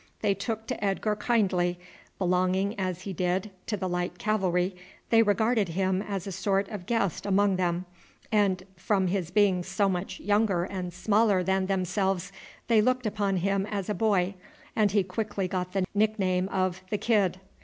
They took to Edgar kindly; belonging, as he did, to the light cavalry, they regarded him as a sort of guest among them, and from his being so much younger and smaller than themselves they looked upon him as a boy, and he quickly got the nickname of "The Kid."